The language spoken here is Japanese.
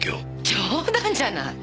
冗談じゃない。